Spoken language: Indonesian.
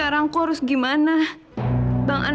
ayo f chief of troublik pri ketahanan